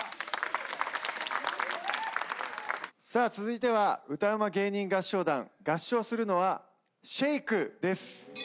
さあ続いては歌ウマ芸人合唱団合唱するのは『ＳＨＡＫＥ』です。